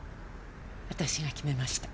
私が決めました。